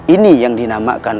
ini yang dinamakan